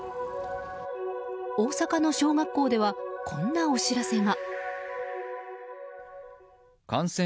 大阪の小学校ではこんなお知らせが。